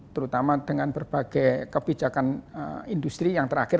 terutama dengan berbagai kebijakan industri yang terakhir